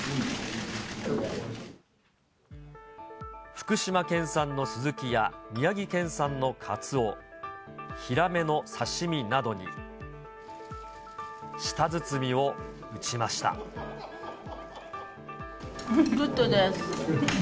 福島県産のスズキや宮城県産のカツオ、ヒラメの刺身などに、グッドです。